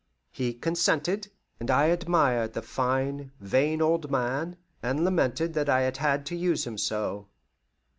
He consented, and I admired the fine, vain old man, and lamented that I had had to use him so.